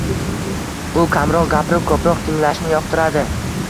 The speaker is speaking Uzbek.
U kamroq gapirib ko‘proq tinglashni yoqtiradi.